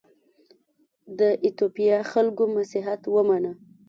د ایتوپیا خلکو مسیحیت ومانه.